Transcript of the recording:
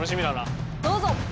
どうぞ！